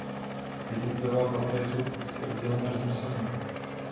Jednotlivá patra jsou opticky oddělena římsami.